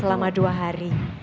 selama dua hari